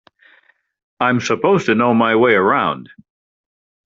I'm supposed to know my way around.